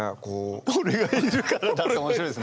俺がいるからだって面白いですね。